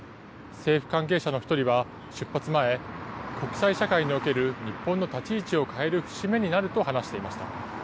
政府関係者の一人は、出発前、国際社会における日本の立ち位置を変える節目になると話していました。